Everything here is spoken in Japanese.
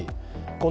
この